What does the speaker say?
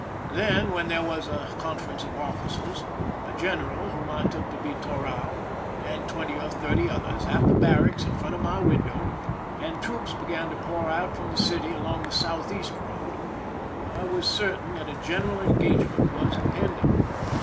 Then, when there was a confer ence of officers— a general whom I took to be Toral, and twenty or thirty others— at the barracks in front of my window, and troops began to pour out from the city along the southeast road, I was cer tain that a general engagement was impending.